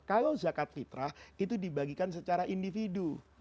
kalau zakat fitrah itu dibagikan secara individu